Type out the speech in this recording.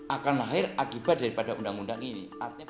akan lahir akibat daripada undang undang ini